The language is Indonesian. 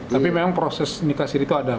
tapi memang proses nikah siri itu ada